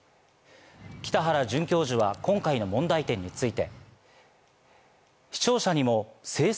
北原准教授は今回の問題点について。